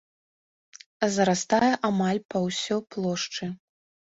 Зарастае амаль па ўсё плошчы.